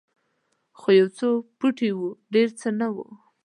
خو یو څو پوټي وو ډېر څه نه وو.